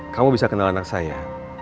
kamu bisa kenal anak saya